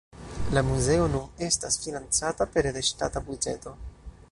La muzeo nun estas financata pere de ŝtata buĝeto.